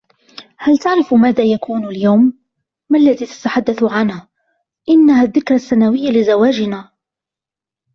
" هل تعرف ماذا يكون اليوم ؟"" ما الذي تتحدث عنهُ "" إنها الذكرى السنوية لزواجنا! "